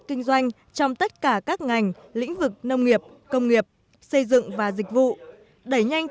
kinh doanh trong tất cả các ngành lĩnh vực nông nghiệp công nghiệp xây dựng và dịch vụ đẩy nhanh